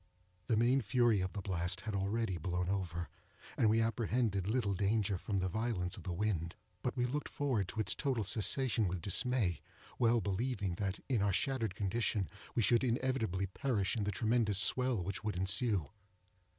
The main fury of the blast had already blown over, and we apprehended little danger from the violence of the wind; but we looked forward to its total cessation with dismay; well believing, that, in our shattered condition, we should inevitably perish in the tremendous swell which would ensue.